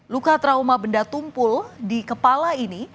luka trauma benda tumpul di kepala ini